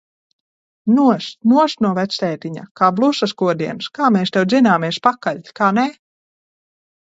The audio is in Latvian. Nost! Nost no vectētiņa! Kā blusas kodiens. Kā mēs tev dzināmies pakaļ! Kā nē?